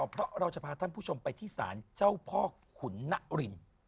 เพราะเราจะพาท่านผู้ชมไปที่ศาลเจ้าพ่อขุนนริน